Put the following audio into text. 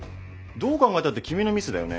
どう考えたって君のミスだよね？